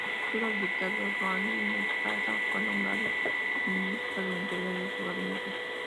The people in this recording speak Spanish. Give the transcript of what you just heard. El futuro dictador Ioannis Metaxás fue nombrado ministro del Interior de su gabinete.